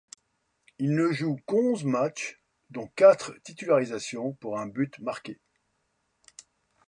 Il ne joue qu'onze matchs dont quatre titularisations pour un but marqué.